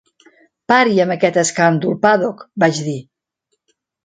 "Pari amb aquest escàndol, Paddock", vaig dir.